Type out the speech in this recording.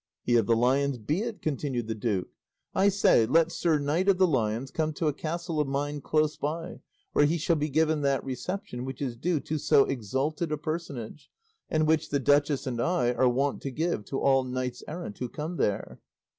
"He of the Lions be it," continued the duke; "I say, let Sir Knight of the Lions come to a castle of mine close by, where he shall be given that reception which is due to so exalted a personage, and which the duchess and I are wont to give to all knights errant who come there."